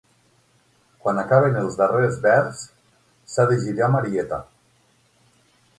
Quan acaben el darrer vers, s’ha de girar Marieta.